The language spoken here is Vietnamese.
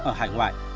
ở hải ngoại